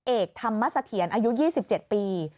เอกธรรมเสถียรอายุ๒๗ปี